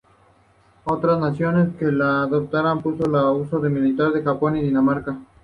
Otras naciones que la adoptaron para uso militar fueron Japón y Dinamarca.